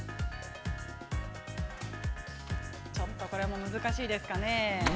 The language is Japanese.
ちょっとこれも難しいですかね。